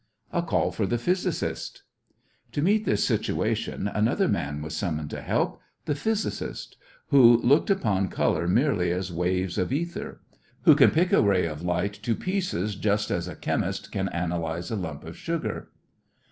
A CALL FOR THE PHYSICIST To meet this situation, another man was summoned to help the physicist, who looks upon color merely as waves of ether; who can pick a ray of light to pieces just as a chemist can analyze a lump of sugar.